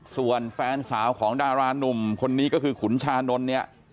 ส่วนแฟนสาวของดารานุ่มคนนี้ก็คือขุนชานนท์เนี่ย